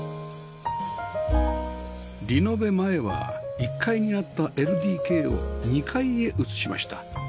リノベ前は１階にあった ＬＤＫ を２階へ移しました